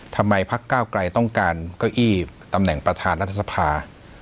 ทำไมภักดิ์ก้าวกลายต้องการเก้าอี้ตำแหน่งประธานรัฐษภา